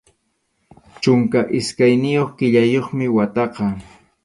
Chunka iskayniyuq killayuqmi wataqa.